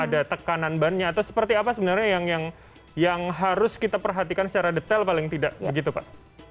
ada tekanan bannya atau seperti apa sebenarnya yang harus kita perhatikan secara detail paling tidak begitu pak